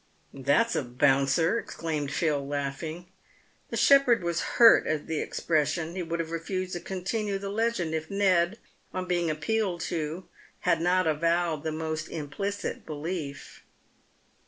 " That's a bouncer!" exclaimed Phil, laughing. The shepherd was hurt at the expression. He would have refused to continue the legend if Ned, on being appealed to, had not avowed the most implicit belief.